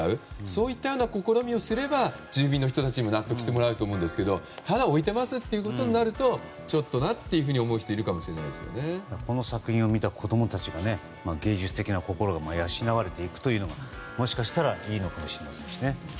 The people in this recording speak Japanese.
そういったような試みをすれば住民の方たちも納得できると思いますがただ、置いていますということになるとちょっとなと思う人もこの作品を見た子供たちが芸術的な心が養われていくとしたらもしかしたらいいのかもしれませんね。